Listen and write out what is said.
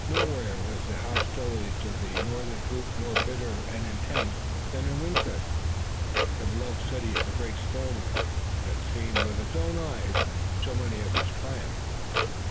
Nowhere was the hostility to the Northern troops more bitter and intense than in Winchester, the beloved city of the great Stonewall which had seen with its own eyes so many of his triumphs.